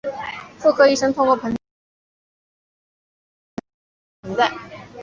妇科医生通过盆腔检查可以观察到纳博特囊肿的存在。